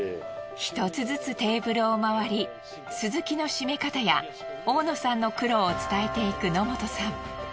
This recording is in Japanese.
１つずつテーブルを回りスズキの締め方や大野さんの苦労を伝えていく野本さん。